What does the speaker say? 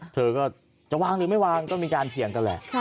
เธอก็จะวางหรือไม่วางก็มีการเถียงกันแหละ